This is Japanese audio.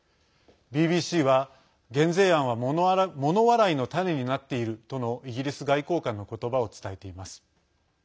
ＢＢＣは、減税案は物笑いのたねになっているとのイギリス外交官の言葉を伝えています。